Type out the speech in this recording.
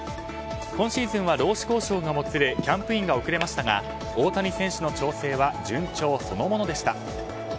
今シーズンは労使交渉がもつれキャンプインが遅れましたが大谷選手の調整は順調そのものでした。